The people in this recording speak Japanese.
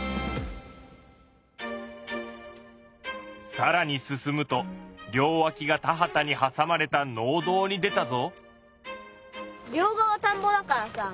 さらに進むと両わきが田畑にはさまれた農道に出たぞ。